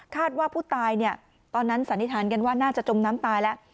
ว่าผู้ตายตอนนั้นสันนิษฐานกันว่าน่าจะจมน้ำตายแล้ว